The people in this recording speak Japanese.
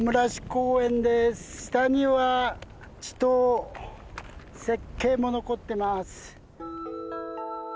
下には池塘雪渓も残ってます。